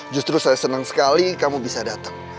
justru saya senang sekali kamu bisa datang